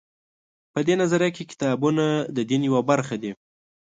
په دې نظریه کې کتابونه د دین یوه برخه دي.